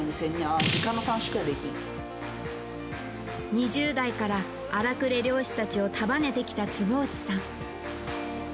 ２０代から荒くれ漁師たちを束ねてきた坪内さん。